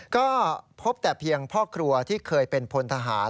ก็พบแต่เพียงพ่อครัวที่เคยเป็นพลทหาร